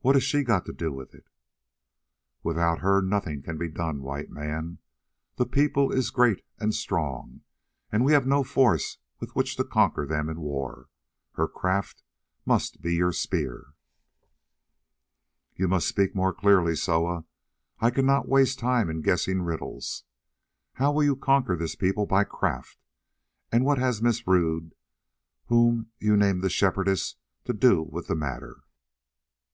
What has she got to do with it?" "Without her nothing can be done, White Man. This people is great and strong, and we have no force with which to conquer them in war. Here craft must be your spear." "You must speak more clearly, Soa. I cannot waste time in guessing riddles. How will you conquer this people by craft, and what has Miss Rodd, whom you name the Shepherdess, to do with the matter?"